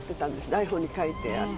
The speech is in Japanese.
台本に書いてあって。